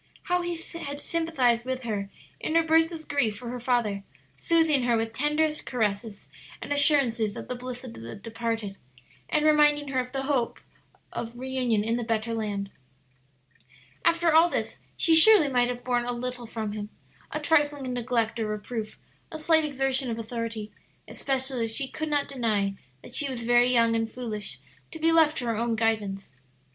How he had sympathized with her in her bursts of grief for her father, soothing her with tenderest caresses and assurances of the bliss of the departed, and reminding her of the blessed hope of reunion in the better land. After all this, she surely might have borne a little from him a trifling neglect or reproof, a slight exertion of authority, especially as she could not deny that she was very young and foolish to be left to her own guidance.